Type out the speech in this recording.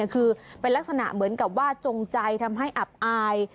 คือเป็นลักษณะเหมือนกับว่าจงใจทำให้อับอาย